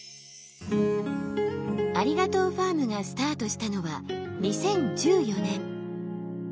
ありがとうファームがスタートしたのは２０１４年。